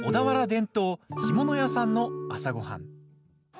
伝統・干物屋さんの朝ごはん。